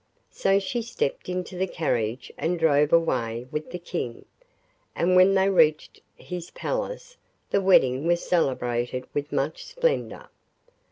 So she stepped into the carriage and drove away with the King, and when they reached his palace the wedding was celebrated with much splendour.